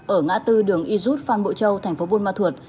ở ngã tư đường y rút phan bộ châu tp buôn ma thuột